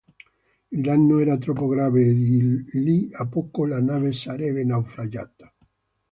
Il danno era troppo grave e di lì a poco la nave sarebbe naufragata.